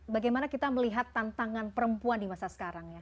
bagaimana kita melihat tantangan perempuan di masa sekarang ya